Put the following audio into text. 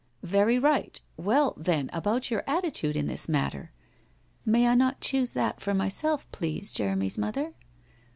' Very right. Well, then, about your attitude in this matter.' 'May I not choose that for myself, please, Jeremy's mother